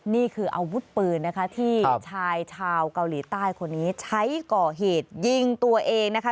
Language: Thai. นี่คืออาวุธปืนนะคะที่ชายชาวเกาหลีใต้คนนี้ใช้ก่อเหตุยิงตัวเองนะคะ